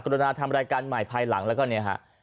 รณาทำรายการใหม่ภายหลังแล้วก็เนี่ยฮะ